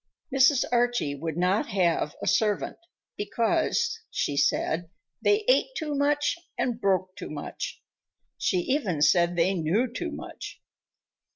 Mrs. Archie would not have a servant because, she said, "they ate too much and broke too much"; she even said they knew too much.